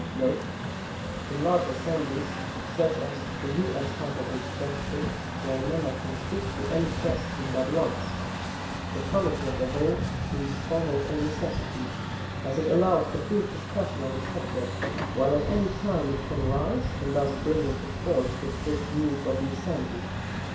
* [In large assemblies, such as the U. S. House of Representatives, where a member can speak to any question but once, the committee of the whole seems almost a necessity, as it allows the freest discussion of a subject, while at any time it can rise and thus bring into force the strict rules of the assembly.